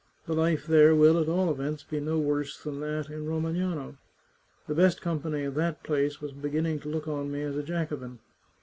The life there will, at all events, be no worse than that at Roma gnano. The best company in that place was beginning to look on me as a Jacobin.